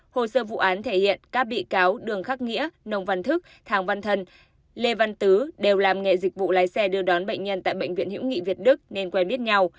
hồ sơ vụ án thể hiện các bị cáo đường khắc nghĩa nông văn thức thàng văn thân lê văn tứ đều làm nghề dịch vụ lái xe đưa đón bệnh nhân tại bệnh viện hữu nghị việt đức nên quen biết nhau